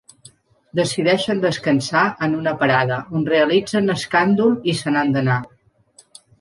Decideixen descansar en una parada, on realitzen escàndol i se n'han d'anar.